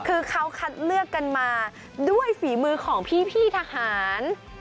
คือเขาคัดเลือกกันมาด้วยฝีมือของพี่ทหาร